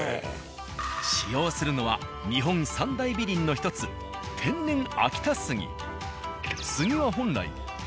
使用するのは日本三大美林の１つ天然秋田杉。